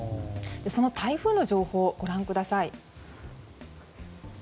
その台風の情報をご覧ください。